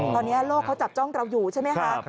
ตอนนี้โลกเขาจับจ้องเราอยู่ใช่ไหมคะ